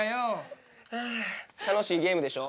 あ楽しいゲームでしょ？